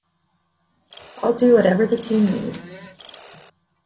I'll do whatever the team needs.